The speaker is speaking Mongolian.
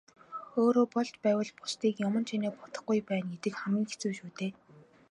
Өөрөө болж байвал бусдыг юман чинээ бодохгүй байна гэдэг хамгийн хэцүү шүү дээ.